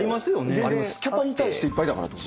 キャパに対していっぱいだからってこと？